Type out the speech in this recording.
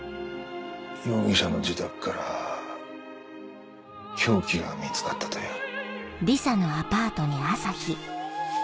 容疑者の自宅から凶器が見つかったという。